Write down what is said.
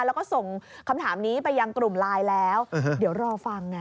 แล้วก็ส่งคำถามนี้ไปยังกลุ่มไลน์แล้วเดี๋ยวรอฟังไง